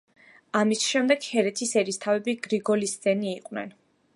ამის შემდეგ ჰერეთის ერისთავები გრიგოლისძენი იყვნენ.